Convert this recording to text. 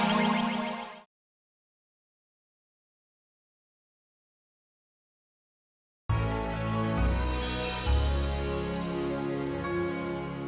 sampai jumpa di video selanjutnya